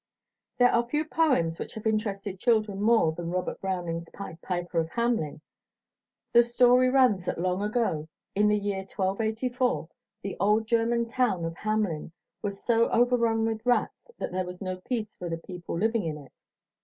There are few poems which have interested children more than Robert Browning's "Pied Piper of Hamelin." The story runs that long ago, in the year 1284, the old German town of Hamelin was so overrun with rats that there was no peace for the people living in it.